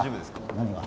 何が？